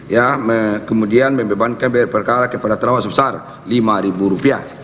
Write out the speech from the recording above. ya kemudian membebankan berperkara kepada terdakwa sebesar lima ribu rupiah